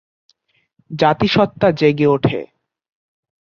জাতিসত্তা জেগে ওঠে।